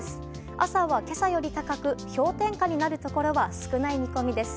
朝は今朝より高く氷点下になるところは少ない見込みです。